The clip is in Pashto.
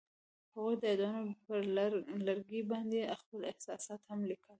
هغوی د یادونه پر لرګي باندې خپل احساسات هم لیکل.